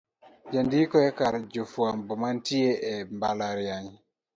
jandiko e kar jofwambo manitie e mbalariany